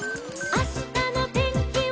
「あしたのてんきは」